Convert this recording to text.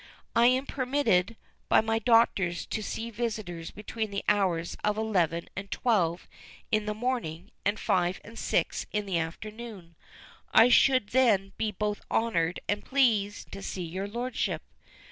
I am permitted by my doctors to see visitors between the hours of eleven and twelve in the morning, and five and six in the afternoon. I should then be both honored and pleased to see your Lordship.